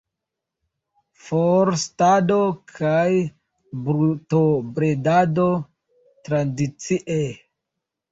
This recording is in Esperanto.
Forstado kaj brutobredado tradicie.